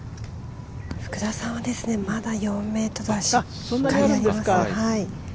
福田さんはまだ４ｍはしっかりあります。